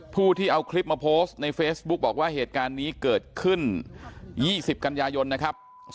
ผู้ที่เอาคลิปมาโพสต์ในเฟซบุ๊กบอกว่าเหตุการณ์นี้เกิดขึ้น๒๐กันยายนนะครับ